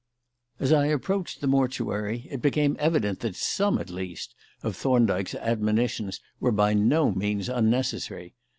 As I approached the mortuary it became evident that some, at least, of Thorndyke's admonitions were by no means unnecessary.